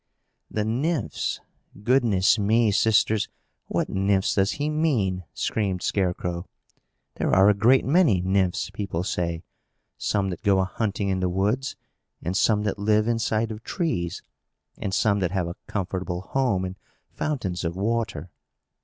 "The Nymphs! Goodness me! sisters, what Nymphs does he mean?" screamed Scarecrow. "There are a great many Nymphs, people say; some that go a hunting in the woods, and some that live inside of trees, and some that have a comfortable home in fountains of water.